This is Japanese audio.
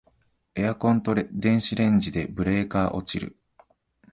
エアコンと電子レンジでブレーカー落ちる